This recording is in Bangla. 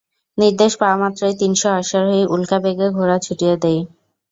নির্দেশ পাওয়া মাত্রই তিনশ অশ্বারোহী উল্কাবেগে ঘোড়া ছুটিয়ে দেয়।